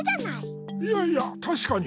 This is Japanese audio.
いやいやたしかに。